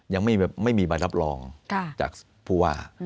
ยังไม่มีใบรับรองจากผู้ว่า